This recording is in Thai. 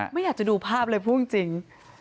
ไม่อยากจะดูภาพเลยพูดจริง